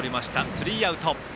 スリーアウト。